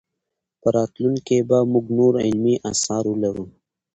په راتلونکي کې به موږ نور علمي اثار ولرو.